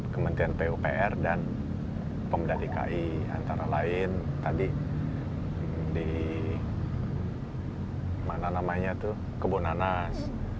kementerian pupr dan pembeda dki antara lain tadi di mana namanya tuh kebun anas